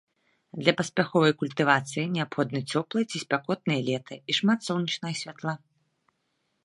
Для паспяховай культывацыі неабходна цёплае ці спякотнае лета і шмат сонечнага святла.